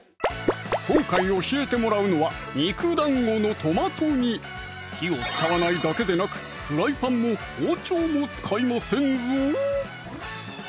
今回教えてもらうのは「肉団子のトマト煮」火を使わないだけでなくフライパンも包丁も使いませんぞ！